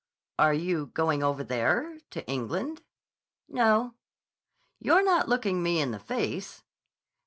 "Are you going over there—to England?" "No." "You're not looking me in the face."